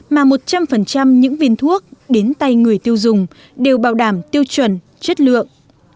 mà một trăm linh những viên thuốc đến tay người tiêu dùng đều bảo đảm tiêu chuẩn chất lượng